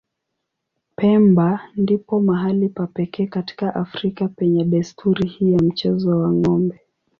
Pemba ndipo mahali pa pekee katika Afrika penye desturi hii ya mchezo wa ng'ombe.